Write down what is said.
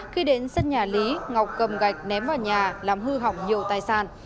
khi đến sân nhà lý ngọc cầm gạch ném vào nhà làm hư hỏng nhiều tài sản